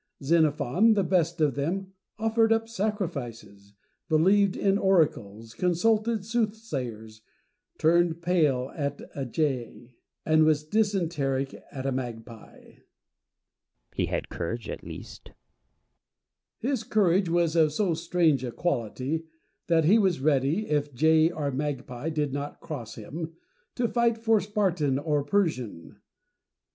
Xenophon, the best of them, offered up sacrifices, believed in oracles, consulted soothsayers, turned pale at a jay, and was dysenteric at a magpie. Plato. He had courage at least. Diogenes. His courage was of so strange a quality, that he was ready, if jay or magpie did not cross him, to fight for Spartan or Persian.